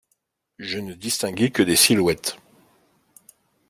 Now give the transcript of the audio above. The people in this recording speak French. Je ne distinguai que des silhouettes.